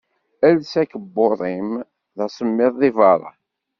Els akebbuḍ-im. D asemmiḍ deg berra.